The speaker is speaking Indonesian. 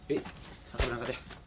ih saya mau berangkat ya